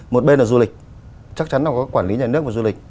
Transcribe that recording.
một bên là du lịch chắc chắn là có quản lý nhà nước và du lịch